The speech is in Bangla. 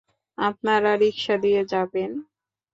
আপনারা রিকশা দিয়ে যাবেন?